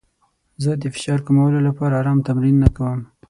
زه د فشار کمولو لپاره ارام تمرینونه کوم.